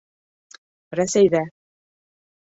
Рәсәйҙә